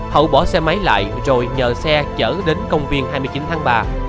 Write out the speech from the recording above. hậu bỏ xe máy lại rồi nhờ xe chở đến công viên hai mươi chín tháng ba